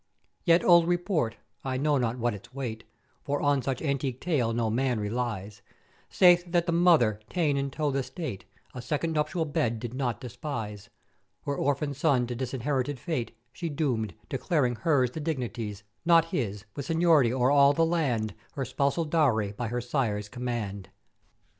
"Yet old Report, I know not what its weight (for on such antique tale no man relies), saith that the Mother, tane in tow the State, A second nuptial bed did not despise: Her orphan son to disinher'ited fate she doomed, declaring hers the dignities, not his, with seigniory o'er all the land, her spousal dowry by her sire's command.